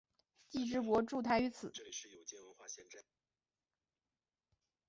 既之国筑台于此。